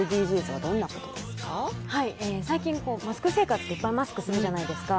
はい、最近、マスク生活でいっぱいマスクするじゃないですか。